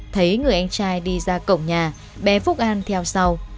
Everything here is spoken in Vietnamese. thấy người anh trai đi ra cổng nhà bé phúc an theo sau